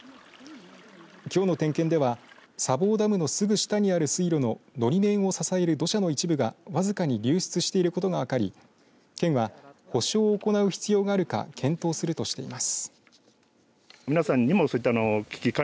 きょうの点検では砂防ダムのすぐ下にある水路ののり面を支える土砂の一部がわずかに流出していることが分かり、県は補修を行う必要があるか検討するとしています。